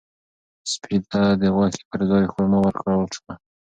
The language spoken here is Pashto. سپي ته د غوښې پر ځای خورما ورکړل شوه.